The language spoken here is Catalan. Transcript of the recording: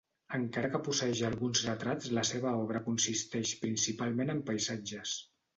Encara que posseeix alguns retrats la seva obra consisteix principalment en paisatges.